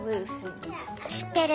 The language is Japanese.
知ってる。